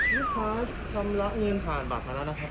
นี่คะคำละเงินผ่านบัตรแล้วนะคะ